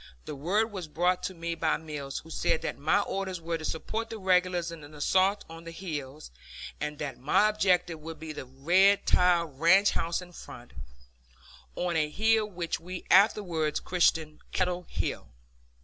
The word was brought to me by Mills, who said that my orders were to support the regulars in the assault on the hills, and that my objective would be the red tiled ranch house in front, on a hill which we afterwards christened Kettle Hill.